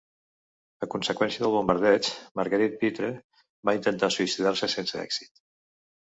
A conseqüència del bombardeig, Marguerite Pitre va intentar suïcidar-se sense èxit.